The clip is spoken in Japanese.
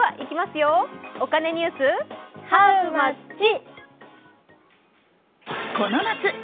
お金ニュース、ハウマッチ？